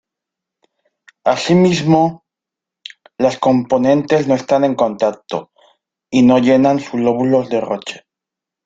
Asimismo, las componentes no están en contacto y no llenan sus lóbulos de Roche.